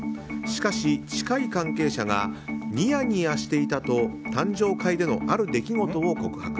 しかし、近い関係者がニヤニヤしていたと誕生会でのある出来事を告白。